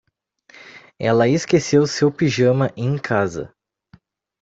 Ela esqueceu seu pijama em casa.